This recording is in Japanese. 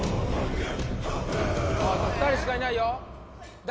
あと２人しかいないよ誰？